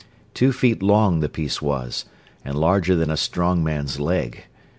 Two feet long the piece was, and larger than a strong man's leg.